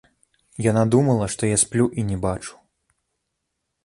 Яна думала, што я сплю і не бачу.